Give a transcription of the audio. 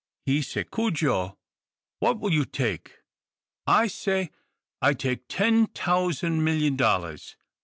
He say, 'Cudjo, what will you take?' I say, 'I take ten t'ousand million dollars!